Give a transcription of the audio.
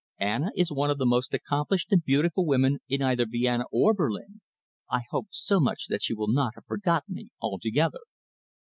Anna is one of the most accomplished and beautiful women in either Vienna or Berlin. I hope so much that she will not have forgotten me altogether."